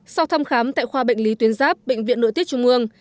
sau thăm khám tại khoa bệnh lý tuyến giáp bệnh viện nội tiết trung ương